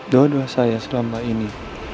dua dua saya selama ini